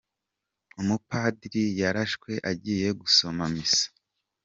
Umupadiri yarashwe agiye gusoma misa